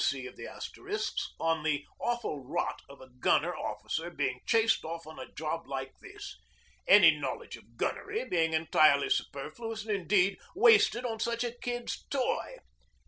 C. of the Asterisks on the 'awful rot' of a gunner officer being chased off on to a job like this any knowledge of gunnery being entirely superfluous and, indeed, wasted on such a kid's toy.